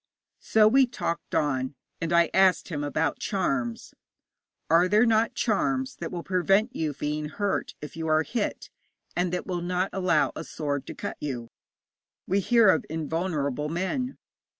So we talked on, and I asked him about charms. 'Are there not charms that will prevent you being hurt if you are hit, and that will not allow a sword to cut you? We hear of invulnerable men.